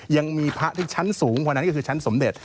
ยังมีพระที่ชั้นสูงกว่านั้นก็คือชั้นสมเด็จ